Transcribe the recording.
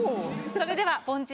それでは凡人